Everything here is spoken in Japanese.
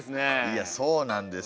いやそうなんですよ。